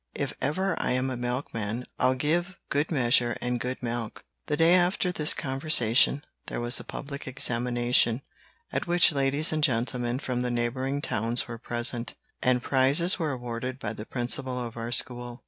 If ever I am a milkman, I'll give good measure and good milk." The day after this conversation, there was a public examination, at which ladies and gentlemen from the neighboring towns were present, and prizes were awarded by the principal of our school.